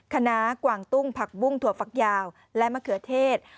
คณะกวางตุ้งผักบุ้งถั่วฝักยาวและมะเขือเทศ